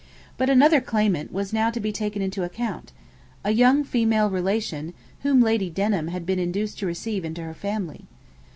But another claimant was now to be taken into account: a young female relation whom Lady Denham had been induced to receive into her family.